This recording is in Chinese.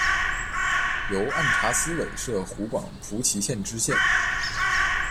由按察司委摄湖广蒲圻县知县。